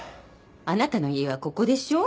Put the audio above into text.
あなたの家はここでしょ。